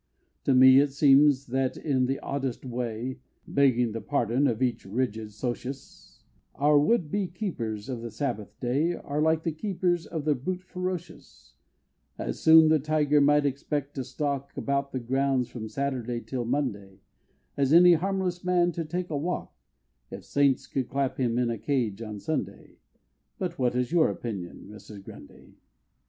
To me it seems that in the oddest way (Begging the pardon of each rigid Socius) Our would be Keepers of the Sabbath day Are like the Keepers of the brutes ferocious As soon the Tiger might expect to stalk About the grounds from Saturday till Monday, As any harmless man to take a walk, If saints could clap him in a cage on Sunday But what is your opinion, Mrs. Grundy?